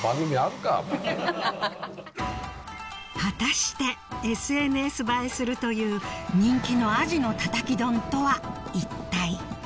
果たしてＳＮＳ映えするという人気の鯵のたたき丼とは一体？